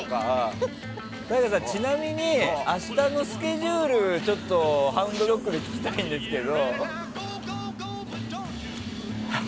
ＴＡＩＧＡさんちなみに明日のスケジュールちょっと「ハウンド・ドッグ」で聴きたいんですけど。